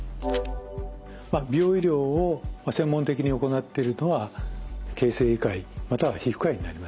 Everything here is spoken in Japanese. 美容医療を専門的に行ってるのは形成外科医または皮膚科医になります。